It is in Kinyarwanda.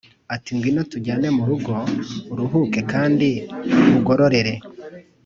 ati “Ngwino tujyane mu rugo uruhuke kandi nkugororere”